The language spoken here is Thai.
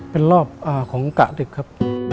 เป็นรอบของกะดึกครับ